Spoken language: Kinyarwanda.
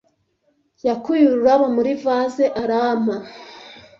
Yakuye ururabo muri vase arampa.